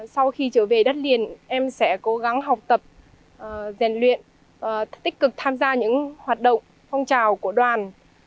sau khi trở về đất liền em sẽ cố gắng học tập rèn luyện tích cực tham gia những hoạt động phong trào của đoàn